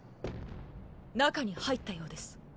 中に入ったようです。